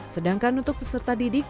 sedangkan untuk pesan pendidikan